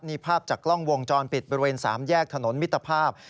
นี่ภาพจากกล้องวงจรปิดบริเวณ๓แยกถนนมิตรภาพ